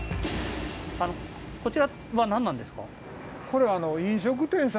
こちらは何なんですか？